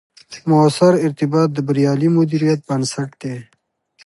مؤثر ارتباط، د بریالي مدیریت بنسټ دی